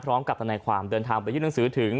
พร้อมกับนายความเดินทางบริยุนังสือถึง